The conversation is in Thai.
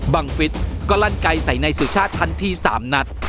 ฟิศก็ลั่นไกลใส่นายสุชาติทันที๓นัด